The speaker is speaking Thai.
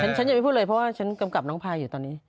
ฉันยังไม่พูดเลยเพราะว่าฉันกำกับน้องพายอยู่ตอนนี้